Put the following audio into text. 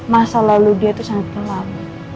masa lalu dia tuh sangat gelap